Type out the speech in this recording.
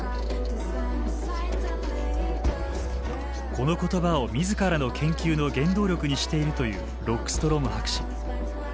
この言葉を自らの研究の原動力にしているというロックストローム博士。